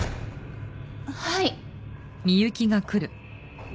はい。